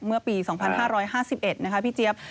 เมื่อปี๒๕๕๑นะคะพี่เจี๊ยบ